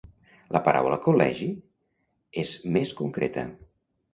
La paraula 'col·legi'és més concreta.